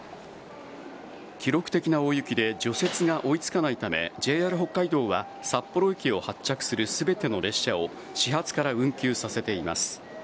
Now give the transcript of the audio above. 記録的な大雪で除雪が追いつかないため、ＪＲ北海道は、札幌駅を発着するすべての列車を始発から運休させています。